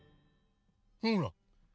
ほら！